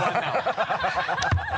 ハハハ